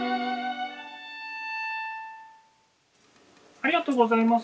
ありがとうございます。